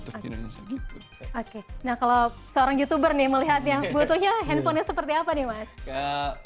oke nah kalau seorang youtuber nih melihatnya butuhnya handphonenya seperti apa nih mas